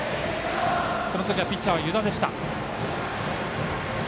その時、ピッチャーは湯田でした。